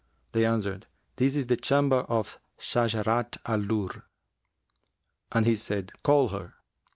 They answered, 'This is the chamber of Shajarat al Durr.' And he said, 'Call her.'